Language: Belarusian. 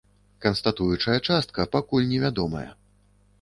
Канстатуючая частка пакуль невядомая.